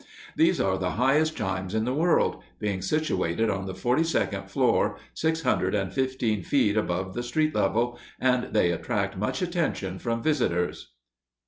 These are the highest chimes in the world, being situated on the forty second floor, 615 feet above the street level; and they attract much attention from visitors.